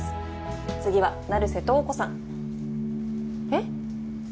次は成瀬瞳子さんえっ？